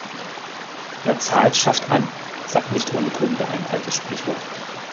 Wer zahlt, schafft an, sagt nicht ohne gute Gründe ein altes Sprichwort.